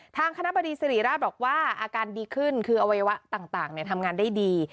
ทางคณะบดีสิริราชบอกว่าอาการดีขึ้นคืออวัยวะต่างทำงานได้ดี